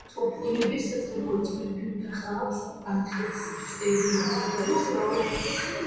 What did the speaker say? თუ ფული ვისესხე, მოწმე ვინ გყავს, ან ხელწერილი სად არისო?